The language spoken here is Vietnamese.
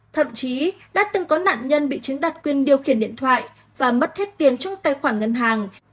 thậm chí đã từng có nạn nhân bị chiếm đặt quyền điều khiển điện thoại và mất hết tiền trong tài khoản ngân hàng